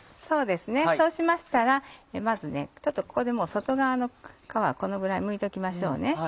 そうですねそうしましたらまずちょっとここでもう外側の皮をこのぐらいむいときましょう。